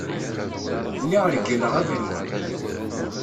Lliɣ regleɣ abrid.